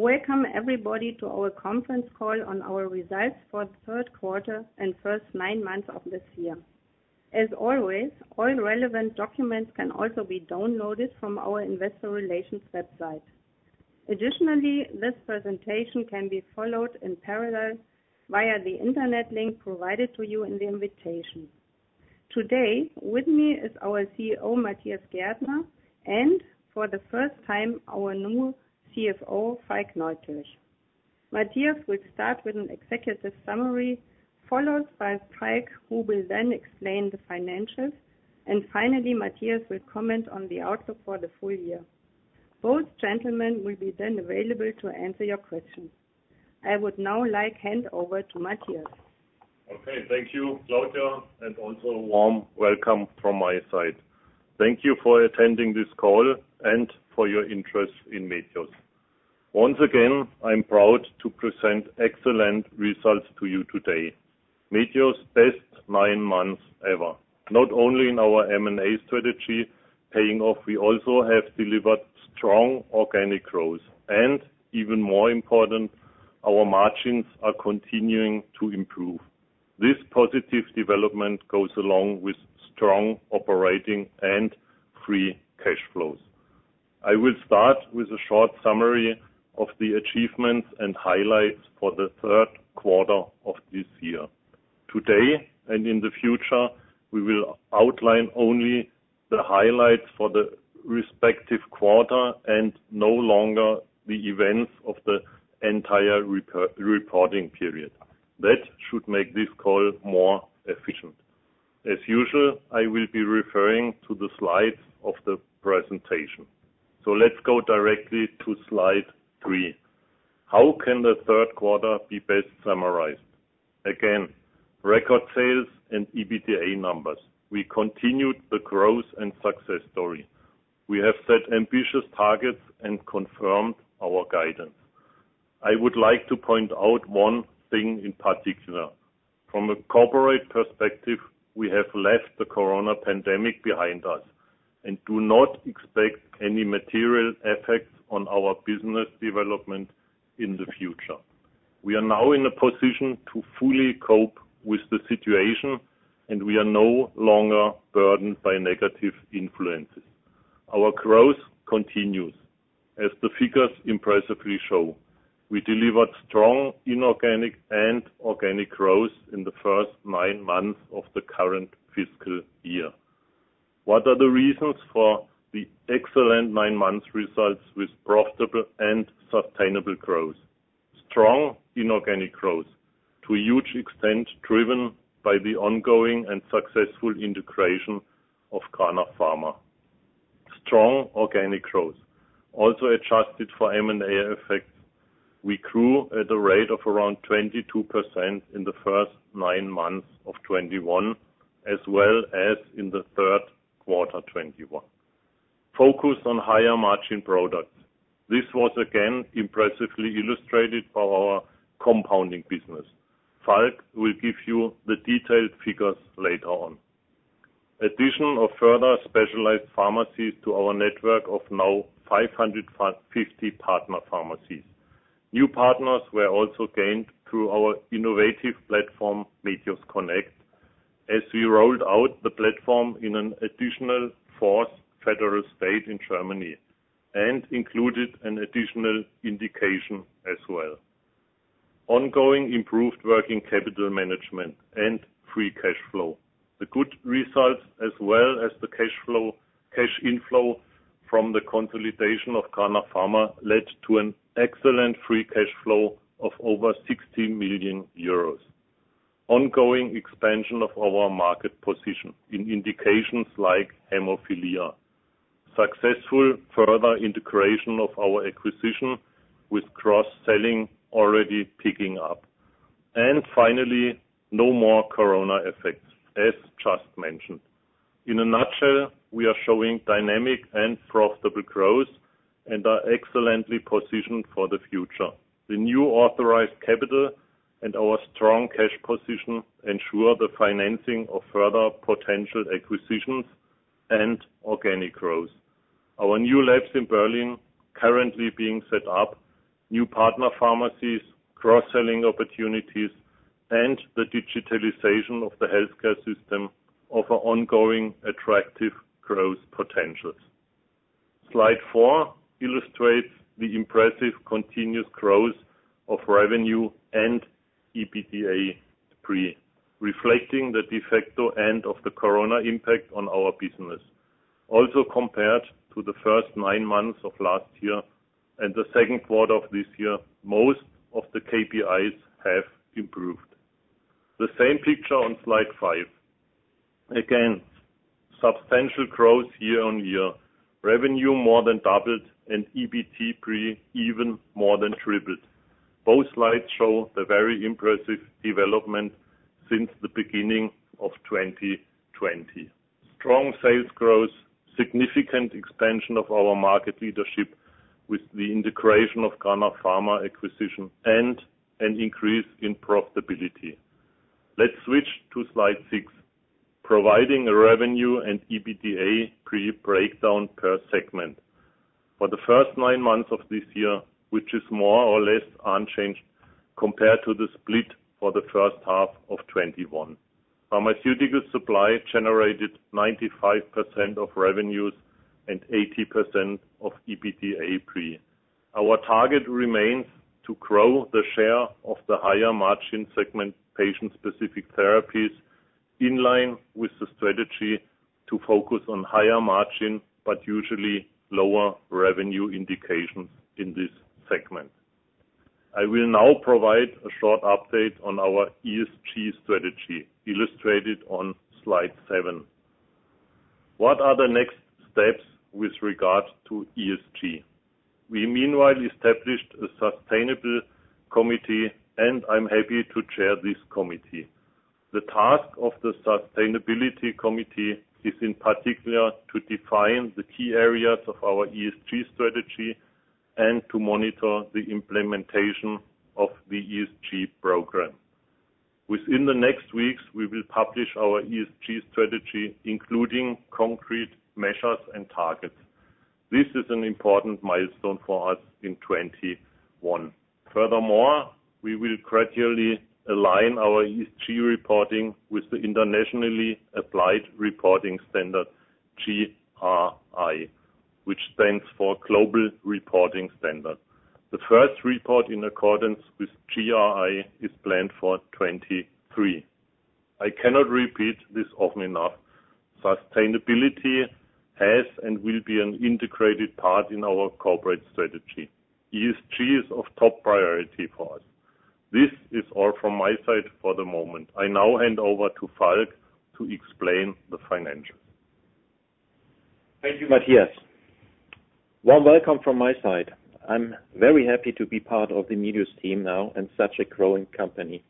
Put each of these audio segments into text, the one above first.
Welcome everybody to our conference call on our results for the third quarter and first nine months of this year. As always, all relevant documents can also be downloaded from our investor relations website. Additionally, this presentation can be followed in parallel via the internet link provided to you in the invitation. Today, with me is our CEO, Matthias Gärtner, and for the first time, our new CFO, Falk Neukirch. Matthias will start with an executive summary, followed by Falk, who will then explain the financials. Finally, Matthias will comment on the outlook for the full year. Both gentlemen will then be available to answer your questions. I would now like to hand over to Matthias. Okay. Thank you, Claudia, and also a warm welcome from my side. Thank you for attending this call and for your interest in Medios. Once again, I'm proud to present excellent results to you today. Medios' best nine months ever. Not only in our M&A strategy paying off, we also have delivered strong organic growth. Even more important, our margins are continuing to improve. This positive development goes along with strong operating and free cash flows. I will start with a short summary of the achievements and highlights for the third quarter of this year. Today and in the future, we will outline only the highlights for the respective quarter and no longer the events of the entire reporting period. That should make this call more efficient. As usual, I will be referring to the slides of the presentation. Let's go directly to slide three. How can the third quarter be best summarized? Again, record sales and EBITDA numbers. We continued the growth and success story. We have set ambitious targets and confirmed our guidance. I would like to point out one thing in particular. From a corporate perspective, we have left the corona pandemic behind us and do not expect any material effects on our business development in the future. We are now in a position to fully cope with the situation, and we are no longer burdened by negative influences. Our growth continues, as the figures impressively show. We delivered strong inorganic and organic growth in the first nine months of the current fiscal year. What are the reasons for the excellent 9-month results with profitable and sustainable growth? Strong inorganic growth, to a huge extent driven by the ongoing and successful integration of Cranach Pharma. Strong organic growth, also adjusted for M&A effects. We grew at a rate of around 22% in the first nine months of 2021 as well as in the third quarter 2021. Focus on higher margin products. This was again impressively illustrated for our compounding business. Falk will give you the detailed figures later on. Addition of further specialized pharmacies to our network of now 550 partner pharmacies. New partners were also gained through our innovative platform, mediosconnect, as we rolled out the platform in an additional fourth federal state in Germany and included an additional indication as well. Ongoing improved working capital management and free cash flow. The good results as well as the cash flow, cash inflow from the consolidation of Cranach Pharma led to an excellent free cash flow of over 60 million euros. Ongoing expansion of our market position in indications like hemophilia. Successful further integration of our acquisition with cross-selling already picking up. Finally, no more corona effects, as just mentioned. In a nutshell, we are showing dynamic and profitable growth and are excellently positioned for the future. The new authorized capital and our strong cash position ensure the financing of further potential acquisitions and organic growth. Our new labs in Berlin currently being set up, new partner pharmacies, cross-selling opportunities, and the digitalization of the healthcare system offer ongoing attractive growth potentials. Slide four illustrates the impressive continuous growth of revenue and EBITDA pre, reflecting the de facto end of the corona impact on our business. Also, compared to the first nine months of last year and the second quarter of this year, most of the KPIs have improved. The same picture on slide five. Again, substantial growth year-over-year. Revenue more than doubled and EBITDA pre even more than tripled. Both slides show the very impressive development since the beginning of 2020. Strong sales growth, significant expansion of our market leadership with the integration of Cranach Pharma acquisition, and an increase in profitability. Let's switch to slide six, providing a revenue and EBITDA pre breakdown per segment. For the first nine months of this year, which is more or less unchanged compared to the split for the first half of 2021. Pharmaceutical supply generated 95% of revenues and 80% of EBITDA pre. Our target remains to grow the share of the higher margin segment, patient-specific therapies, in line with the strategy to focus on higher margin, but usually lower revenue indications in this segment. I will now provide a short update on our ESG strategy, illustrated on slide seven. What are the next steps with regard to ESG? We meanwhile established a sustainability committee, and I'm happy to chair this committee. The task of the sustainability committee is in particular to define the key areas of our ESG strategy and to monitor the implementation of the ESG program. Within the next weeks, we will publish our ESG strategy, including concrete measures and targets. This is an important milestone for us in 2021. Furthermore, we will gradually align our ESG reporting with the internationally applied reporting standard GRI, which stands for Global Reporting Initiative. The first report in accordance with GRI is planned for 2023. I cannot repeat this often enough. Sustainability has and will be an integrated part in our corporate strategy. ESG is of top priority for us. This is all from my side for the moment. I now hand over to Falk to explain the financials. Thank you, Matthias. Warm welcome from my side. I'm very happy to be part of the Medios team now and such a growing company.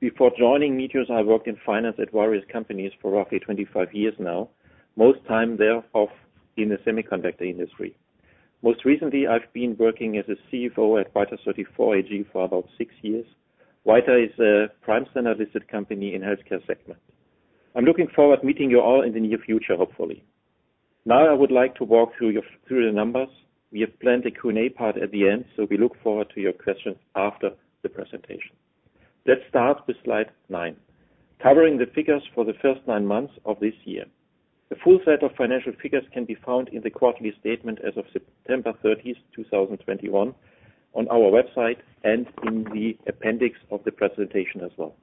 Before joining Medios, I worked in finance at various companies for roughly 25 years now. Most time there of in the semiconductor industry. Most recently, I've been working as a CFO at Vita 34 AG for about six years. Vita is a Prime Standard-listed company in healthcare segment. I'm looking forward to meeting you all in the near future, hopefully. Now I would like to walk through the numbers. We have planned a Q&A part at the end, so we look forward to your questions after the presentation. Let's start with slide nine, covering the figures for the first nine months of this year. The full set of financial figures can be found in the quarterly statement as of September 30th, 2021 on our website and in the appendix of the presentation as well.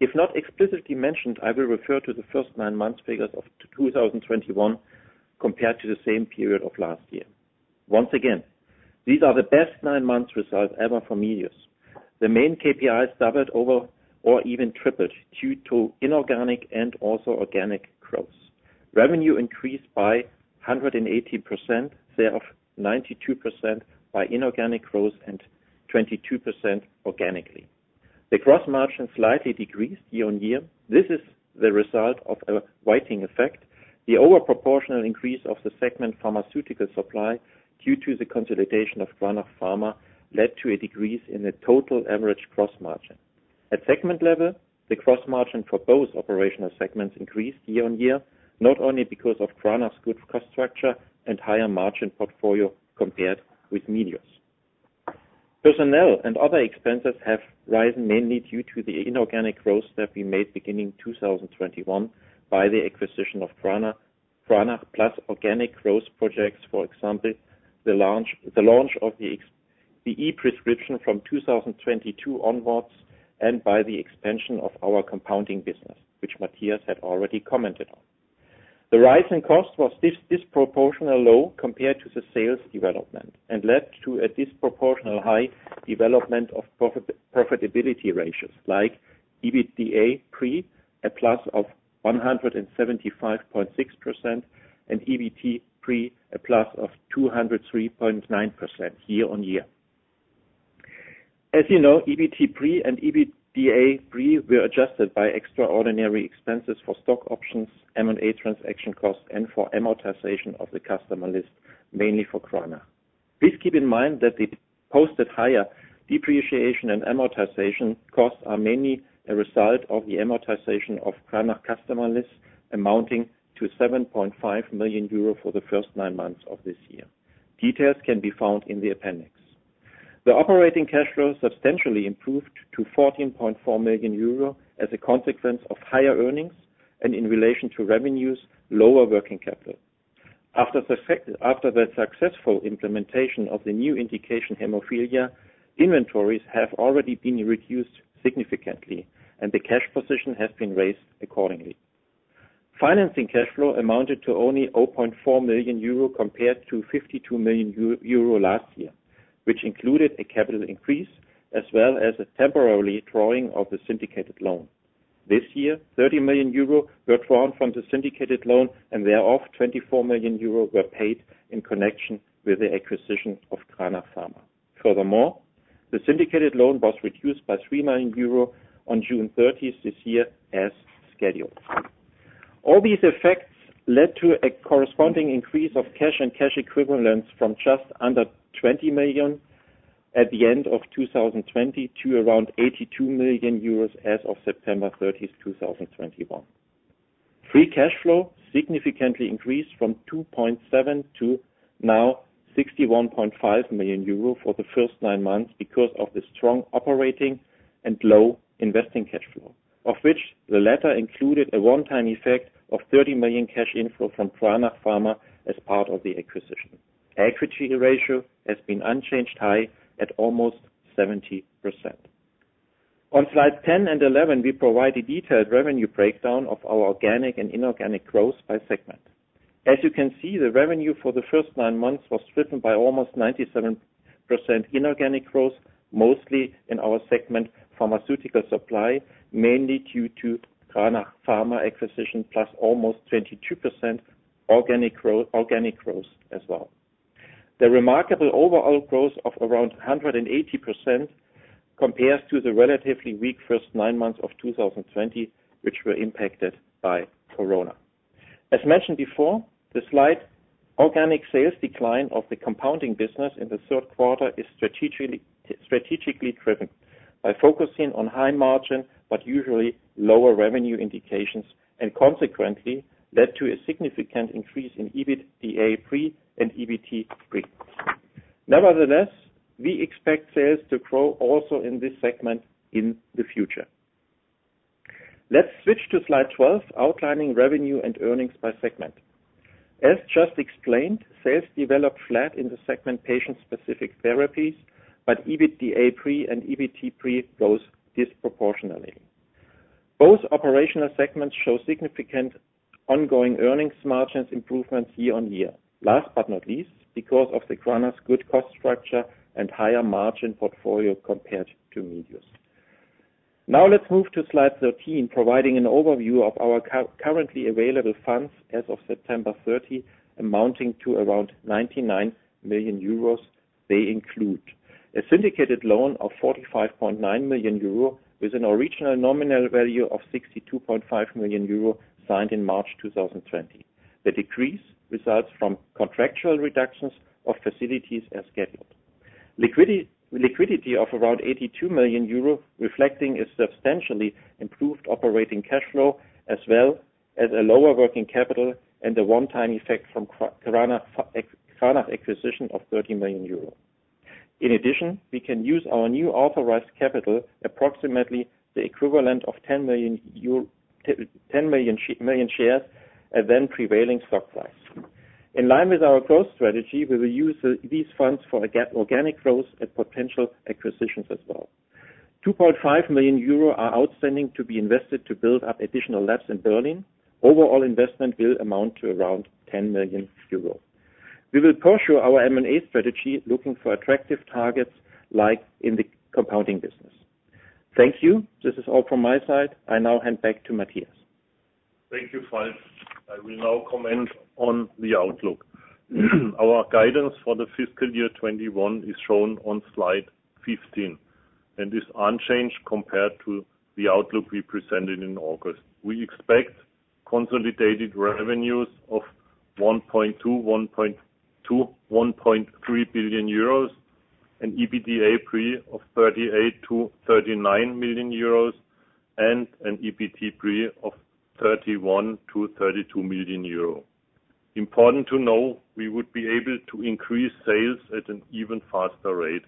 If not explicitly mentioned, I will refer to the first nine months figures of 2021 compared to the same period of last year. Once again, these are the best nine months results ever for Medios. The main KPIs doubled over or even tripled due to inorganic and also organic growth. Revenue increased by 180%, thereof 92% by inorganic growth and 22% organically. The gross margin slightly decreased year-on-year. This is the result of a weighting effect. The over-proportional increase of the Pharmaceutical Supply segment due to the consolidation of Cranach Pharma led to a decrease in the total average gross margin. At segment level, the gross margin for both operational segments increased year-over-year, not only because of Cranach's good cost structure and higher margin portfolio compared with Medios. Personnel and other expenses have risen mainly due to the inorganic growth that we made beginning 2021 by the acquisition of Cranach plus organic growth projects, for example, the launch of the e-prescription from 2022 onwards and by the expansion of our compounding business, which Matthias had already commented on. The rise in cost was disproportionately low compared to the sales development and led to a disproportionately high development of profitability ratios like EBITDA pre, a plus of 175.6%, and EBT pre, a plus of 203.9% year-over-year. As you know, EBT pre and EBITDA pre were adjusted by extraordinary expenses for stock options, M&A transaction costs, and for amortization of the customer list, mainly for Cranach. Please keep in mind that the posted higher depreciation and amortization costs are mainly a result of the amortization of Cranach customer lists amounting to 7.5 million euro for the first nine months of this year. Details can be found in the appendix. The operating cash flow substantially improved to 14.4 million euro as a consequence of higher earnings and in relation to revenues, lower working capital. After the successful implementation of the new indication hemophilia, inventories have already been reduced significantly, and the cash position has been raised accordingly. Financing cash flow amounted to only 0.4 million euro compared to 52 million euro last year, which included a capital increase as well as a temporary drawing of the syndicated loan. This year, 30 million euro were drawn from the syndicated loan, and thereof, 24 million euro were paid in connection with the acquisition of Cranach Pharma. Furthermore, the syndicated loan was reduced by 3 million euro on June 30 this year as scheduled. All these effects led to a corresponding increase of cash and cash equivalents from just under 20 million at the end of 2020 to around 82 million euros as of September 30th, 2021. Free cash flow significantly increased from 2.7 million to now 61.5 million euro for the first nine months because of the strong operating and low investing cash flow, of which the latter included a one-time effect of 30 million cash inflow from Cranach Pharma as part of the acquisition. Equity ratio has been unchanged high at almost 70%. On slide 10 and 11, we provide a detailed revenue breakdown of our organic and inorganic growth by segment. As you can see, the revenue for the first nine months was driven by almost 97% inorganic growth, mostly in our segment pharmaceutical supply, mainly due to Cranach Pharma acquisition, plus almost 22% organic growth as well. The remarkable overall growth of around 180% compares to the relatively weak first nine months of 2020, which were impacted by Corona. As mentioned before, the slight organic sales decline of the compounding business in the third quarter is strategically driven by focusing on high margin but usually lower revenue indications, and consequently led to a significant increase in EBITDA pre and EBT pre. Nevertheless, we expect sales to grow also in this segment in the future. Let's switch to slide 12, outlining revenue and earnings by segment. As just explained, sales developed flat in the segment Patient-Specific Therapies, but EBITDA pre and EBT pre grows disproportionately. Both operational segments show significant ongoing earnings margins improvements year-on-year. Last but not least, because of the Cranach's good cost structure and higher margin portfolio compared to Medios. Now let's move to slide 13, providing an overview of our currently available funds as of September 30, amounting to around 99 million euros. They include a syndicated loan of 45.9 million euro with an original nominal value of 62.5 million euro signed in March 2020. The decrease results from contractual reductions of facilities as scheduled. Liquidity of around 82 million euro, reflecting a substantially improved operating cash flow, as well as a lower working capital and a one-time effect from Cranach acquisition of 30 million euro. In addition, we can use our new authorized capital, approximately the equivalent of 10 million shares at then prevailing stock price. In line with our growth strategy, we will use these funds for organic growth and potential acquisitions as well. 2.5 million euro are outstanding to be invested to build up additional labs in Berlin. Overall investment will amount to around 10 million euros. We will pursue our M&A strategy, looking for attractive targets like in the compounding business. Thank you. This is all from my side. I now hand back to Matthias. Thank you, Falk. I will now comment on the outlook. Our guidance for the fiscal year 2021 is shown on slide 15, and is unchanged compared to the outlook we presented in August. We expect consolidated revenues of 1.2 billion-1.3 billion euros, an EBITDA pre of 38 million-39 million euros, and an EBT pre of 31 million-32 million euro. Important to know, we would be able to increase sales at an even faster rate,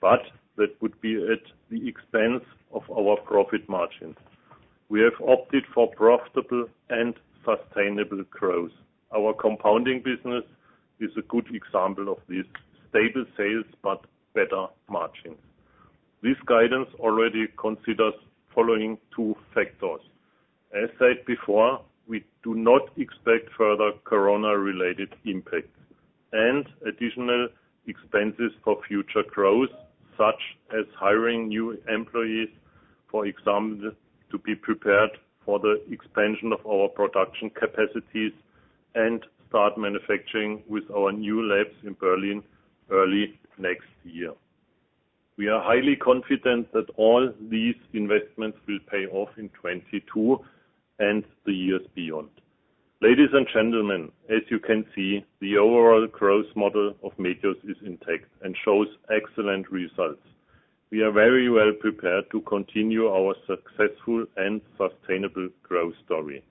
but that would be at the expense of our profit margin. We have opted for profitable and sustainable growth. Our compounding business is a good example of this, stable sales but better margins. This guidance already considers the following two factors. As said before, we do not expect further Corona-related impacts and additional expenses for future growth, such as hiring new employees, for example, to be prepared for the expansion of our production capacities and start manufacturing with our new labs in Berlin early next year. We are highly confident that all these investments will pay off in 2022 and the years beyond. Ladies and gentlemen, as you can see, the overall growth model of Medios is intact and shows excellent results. We are very well prepared to continue our successful and sustainable growth story.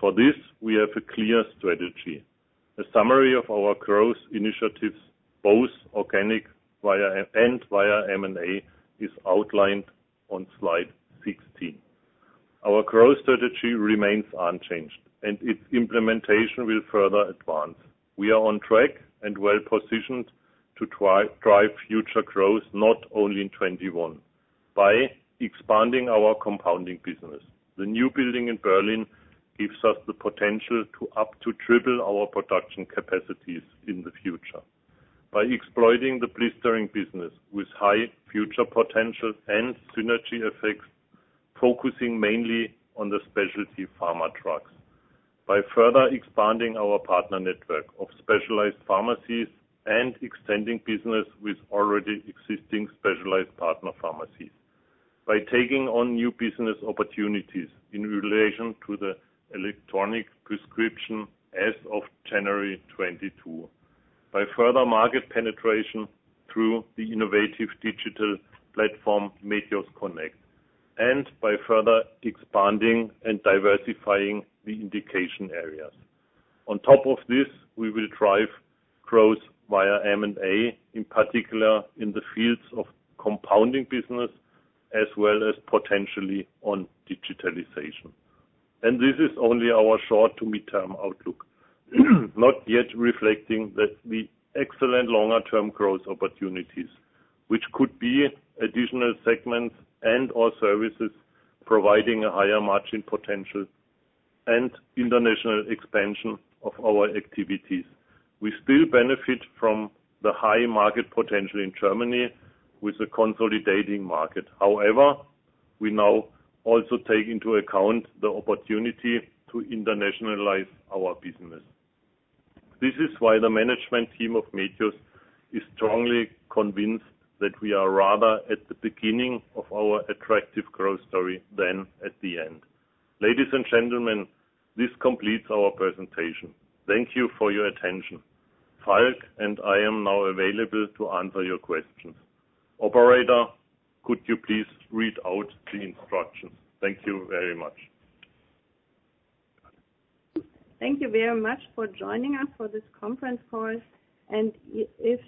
For this, we have a clear strategy. A summary of our growth initiatives, both organic and via M&A, is outlined on slide 16. Our growth strategy remains unchanged, and its implementation will further advance. We are on track and well-positioned to drive future growth, not only in 2021, by expanding our compounding business. The new building in Berlin gives us the potential to up to triple our production capacities in the future. By exploiting the blistering business with high future potential and synergy effects, focusing mainly on the specialty pharma drugs. By further expanding our partner network of specialized pharmacies and extending business with already existing specialized partner pharmacies. By taking on new business opportunities in relation to the electronic prescription as of January 2022. By further market penetration through the innovative digital platform, mediosconnect. By further expanding and diversifying the indication areas. On top of this, we will drive growth via M&A, in particular in the fields of compounding business, as well as potentially on digitalization. This is only our short to midterm outlook, not yet reflecting the excellent longer term growth opportunities, which could be additional segments and/or services providing a higher margin potential and international expansion of our activities. We still benefit from the high market potential in Germany with a consolidating market. However, we now also take into account the opportunity to internationalize our business. This is why the management team of Medios is strongly convinced that we are rather at the beginning of our attractive growth story than at the end. Ladies and gentlemen, this completes our presentation. Thank you for your attention. Falk and I am now available to answer your questions. Operator, could you please read out the instructions? Thank you very much. Thank you very much for joining us for this conference call. If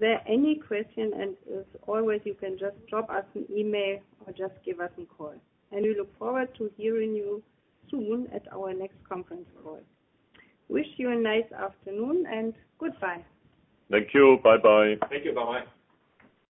there are any question, and as always, you can just drop us an email or just give us a call. We look forward to hearing you soon at our next conference call. Wish you a nice afternoon and goodbye. Thank you. Bye-bye. Thank you. Bye-bye.